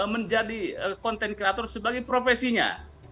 menjadi content creator sebagai profesinya